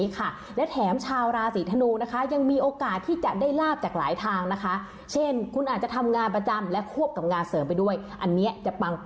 คือชาวราศรีธนูค่ะคือมีโอกาสที่จะเมคมันนี่นะคะ